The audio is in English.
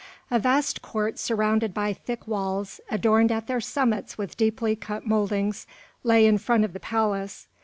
A vast court surrounded by thick walls, adorned at their summits with deeply cut mouldings, lay in front of the palace.